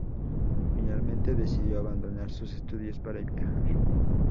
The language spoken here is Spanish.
Finalmente decidió abandonar sus estudios para viajar.